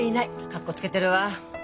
かっこつけてるわ。